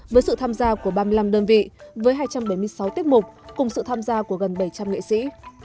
với sự tham gia của ba mươi năm đơn vị với hai trăm bảy mươi sáu tiết mục cùng sự tham gia của gần bảy trăm linh nghệ sĩ